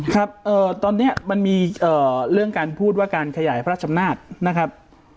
ครับตอนนี้มันมีเรื่องการพูดว่าการขยายพระราชชำนาจนะครับ